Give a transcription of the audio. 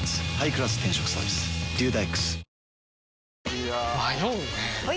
いや迷うねはい！